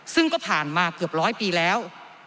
ซึ่งก็ผ่านมาเกือบร้อยปีแล้ว